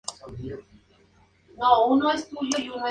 Estaban decididos a jugar bien este proyecto, y cómo negociar.